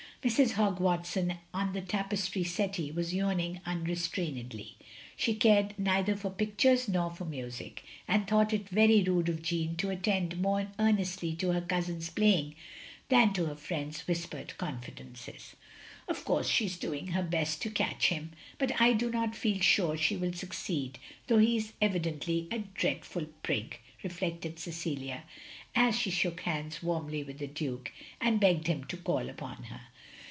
Mrs. Hogg Watson, on the tapestry settee, was yawning unrestrainedly. She cared neither for picttires nor for music, and thought it very rude of Jeanne to attend more earnestly to her cousin's playing than to her friend's whispered confidences. "Of course she is doing her best to catch him; but I do not feel sure she will succeed, though he is evidently a dreadful prig, " reflected Cecilia, as she shook hands warmly with the Duke, and begged him to call upon her.